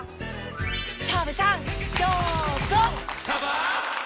澤部さんどうぞ！